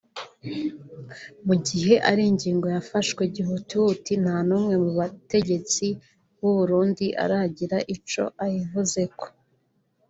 Mu gihe ari ingingo yafashwe gihutihuti nta n’umwe mu bategetsi b’u Burundi aragira ico ayivuze ko